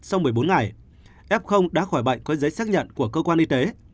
sau một mươi bốn ngày f đã khỏi bệnh có giấy xác nhận của cơ quan y tế